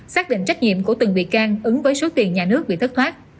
xác định trách nhiệm của từng bị can ứng với số tiền nhà nước bị thất thoát